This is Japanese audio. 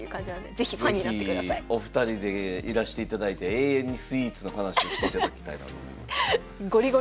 是非お二人でいらしていただいて永遠にスイーツの話をしていただきたいなと思います。